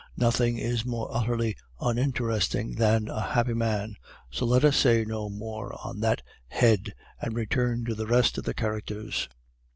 Nothing is more utterly uninteresting than a happy man, so let us say no more on that head, and return to the rest of the characters.